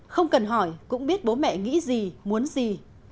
không cần hỏi cũng biết bố mẹ nghĩ gì muốn gì